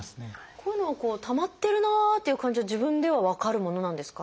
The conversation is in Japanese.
こういうのはこうたまってるなっていう感じは自分では分かるものなんですか？